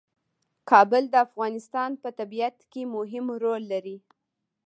کابل د افغانستان په طبیعت کې مهم رول لري.